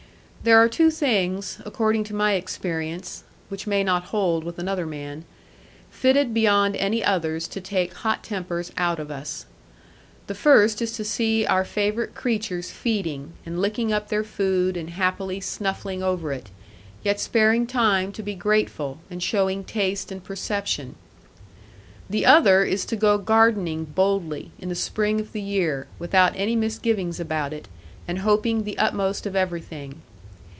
There are two things, according to my experience (which may not hold with another man) fitted beyond any others to take hot tempers out of us. The first is to see our favourite creatures feeding, and licking up their food, and happily snuffling over it, yet sparing time to be grateful, and showing taste and perception; the other is to go gardening boldly, in the spring of the year, without any misgiving about it, and hoping the utmost of everything.